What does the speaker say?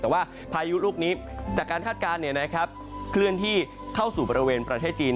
แต่ว่าพายุลูกนี้จากการคาดการณ์เคลื่อนที่เข้าสู่บริเวณประเทศจีน